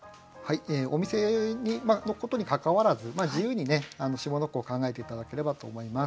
お店のことにかかわらず自由に下の句を考えて頂ければと思います。